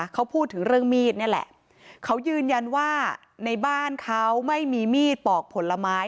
เขาพูดถึงเรื่องมีดนี่แหละเขายืนยันว่าในบ้านเขาไม่มีมีดปอกผลไม้